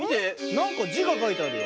なんかじがかいてあるよ。